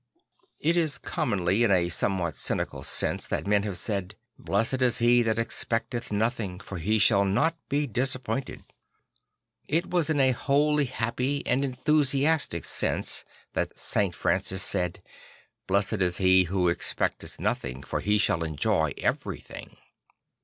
It is comn10nly in a somewhat cynical sense that men have said, (( Blessed is he that expecteth nothing, for he shall not be disappointed." It was in a wholly happy and enthusiastic sense that St. Francis said, (( Blessed is he who expecteth Le Jongleur de Dieu 85 nothing, for he shall enjoy everything."